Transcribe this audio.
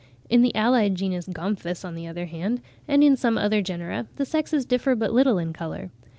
In the allied genus Gomphus, on the other hand, and in some other genera, the sexes differ but little in colour.